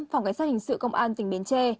phòng cảnh sát hình sự công an tỉnh bến tre